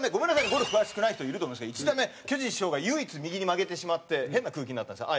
ゴルフ詳しくない人いると思いますが１打目巨人師匠が唯一右に曲げてしまって変な空気になったんですね。